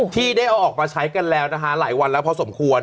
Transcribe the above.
ที่ได้เอาออกมาใช้กันแล้วนะคะหลายวันแล้วพอสมควร